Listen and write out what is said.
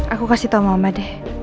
aku kasih tau mama deh